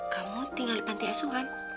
kamu tinggal di panti asuhan